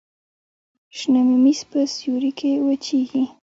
شنه ممیز په سیوري کې وچیږي.